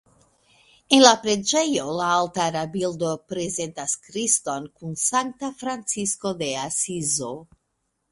En la preĝejo la altara bildo prezentas Kriston kun Sankta Francisko el Asizo.